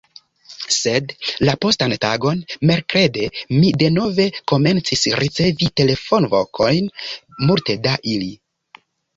Sed, la postan tagon, Merkrede, mi denove komencis ricevi telefonvokojn, multe da ili.